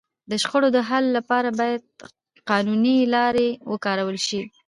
د شخړو د حل لپاره باید قانوني لاري وکارول سي.